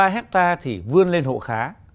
ba ha thì vươn lên hộ khá